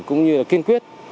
cũng như kiên quyết